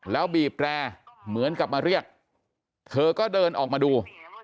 แล้วบีบแร่เหมือนกับมาเรียกเธอก็เดินออกมาดู